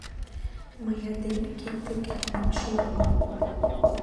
— Мый айдеме кид дек тунемше омыл.